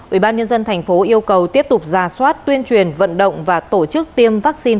ubnd tp yêu cầu tiếp tục ra soát tuyên truyền vận động và tổ chức tiêm vaccine